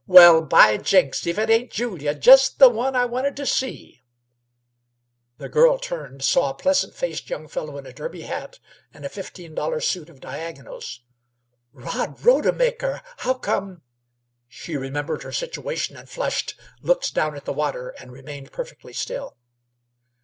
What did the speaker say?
"Well, by jinks! if it ain't Julia! Just the one I wanted to see!" The girl turned, saw a pleasant faced young fellow in a derby hat and a cutaway suit of diagonals. "Bod Rodemaker! How come " She remembered her situation and flushed, looked down at the water, and remained perfectly still.